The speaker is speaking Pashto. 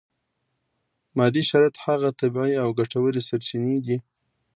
مادي شرایط هغه طبیعي او ګټورې سرچینې دي.